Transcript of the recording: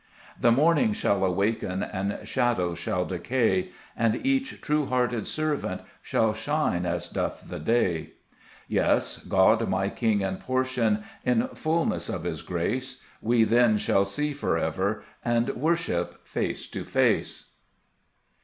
6 The morning shall awaken, And shadows shall decay, And each true hearted servant Shall shine as doth the day. 7 Yes, God, my King and Portion, In fulness of His grace, We then shall see for ever, And worship face to face.